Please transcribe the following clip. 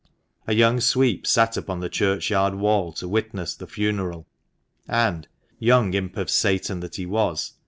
A young sweep sat upon the churchyard wall to witness the funeral, and — young imp of Satan that he was